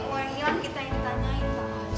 gak ada yang mau kita tanyain pak